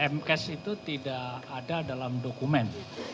mkes itu tidak ada dalam dokumen